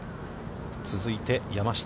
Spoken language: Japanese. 続いて、山下。